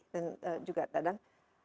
dan juga dadang